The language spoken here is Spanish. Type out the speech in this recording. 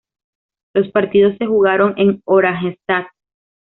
Los partidos se jugaron en Oranjestad.